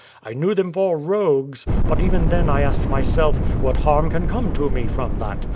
I knew them for rogues, but even then I asked my self, what harm can come to me from that.